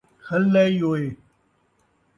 کھلّا ءِی اوئے